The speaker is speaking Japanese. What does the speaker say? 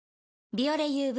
「ビオレＵＶ」